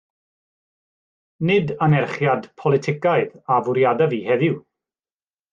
Nid anerchiad politicaidd a fwriadaf fi heddiw.